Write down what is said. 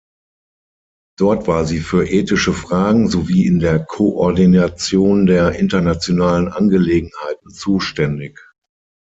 Dort war sie für ethische Fragen, sowie in der Koordination der internationalen Angelegenheiten zuständig.